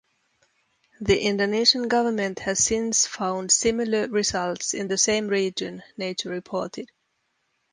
The Indonesian government has since found similar results in the same region, Nature reported.